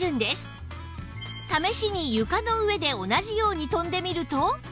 試しに床の上で同じように跳んでみると